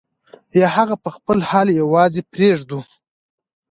یا هغه په خپل حال یوازې پرېږدو.